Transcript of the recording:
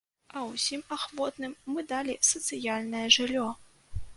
А ўсім ахвотным мы далі сацыяльнае жыллё!